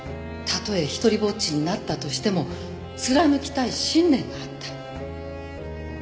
たとえ独りぼっちになったとしても貫きたい信念があった。